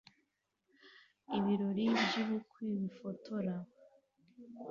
Ibirori byubukwe bifotora